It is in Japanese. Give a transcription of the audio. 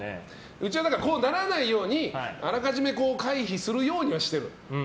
うちはこうならないようにあらかじめ回避するようにしてる。